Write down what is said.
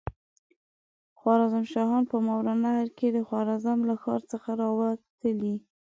خوارزم شاهان په ماوراالنهر کې د خوارزم له ښار څخه را وتلي.